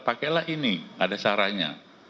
pakailah ini ada sarannya